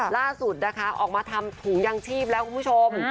ล่าสุดนะคะออกมาทำถุงยางชีพแล้วคุณผู้ชม